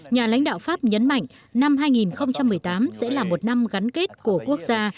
nhà lãnh đạo pháp nhấn mạnh năm hai nghìn một mươi tám sẽ là một năm gắn kết của quốc gia